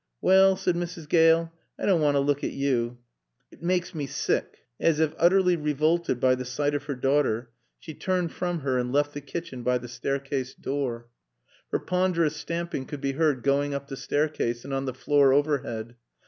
"Wall," said Mrs. Gale. "I doan' want ter look at yo. 'T mak's mae seek." As if utterly revolted by the sight of her daughter, she turned from her and left the kitchen by the staircase door. Her ponderous stamping could be heard going up the staircase and on the floor overhead.